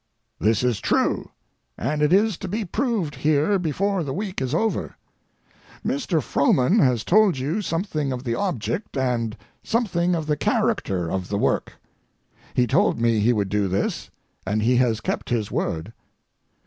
This is true, and it is to be proved here before the week is over. Mr. Frohman has told you something of the object and something of the character of the work. He told me he would do this—and he has kept his word!